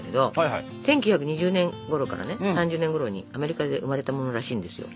１９２０年ごろからね３０年ごろにアメリカで生まれたものらしいんですよ。